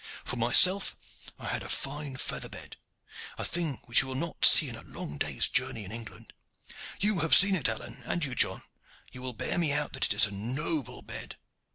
For myself, I had a fine feather bed a thing which you will not see in a long day's journey in England. You have seen it, Alleyne, and you, John. You will bear me out that it is a noble bed.